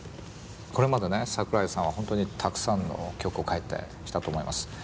これまでね桜井さんは本当にたくさんの曲を書いてきたと思います。